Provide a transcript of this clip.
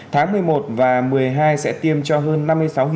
tháng một mươi một và một mươi hai sẽ tiêm cho hơn năm mươi sáu bảy trăm linh